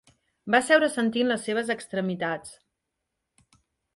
Va seure sentint les seves extremitats.